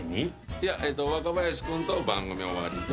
いや若林君と番組終わりで。